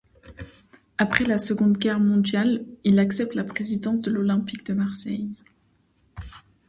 Après la Seconde Guerre mondiale, il accepte la présidence de l'Olympique de Marseille.